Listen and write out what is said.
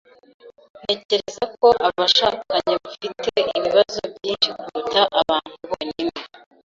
Ntekereza ko abashakanye bafite ibibazo byinshi kuruta abantu bonyine.